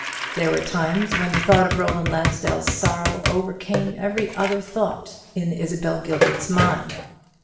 There were times when the thought of Roland Lansdell's sorrow overcame every other thought in Isabel Gilbert's mind.